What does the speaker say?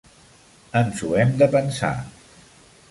Ens ho hem de pensar.